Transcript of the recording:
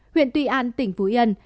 huyện tuy an tỉnh phú yên